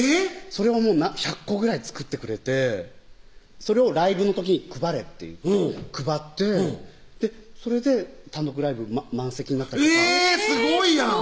それはもう１００個ぐらい作ってくれてそれをライブの時に配れって配ってそれで単独ライブ満席になったりとかえぇすごいやん！